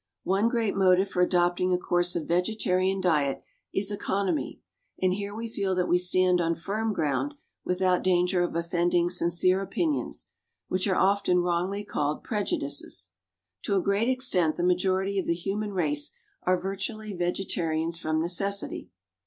One great motive for adopting a course of vegetarian diet is economy; and here we feel that we stand on firm ground, without danger of offending sincere opinions, which are often wrongly called prejudices. To a great extent, the majority of the human race are virtually vegetarians from necessity.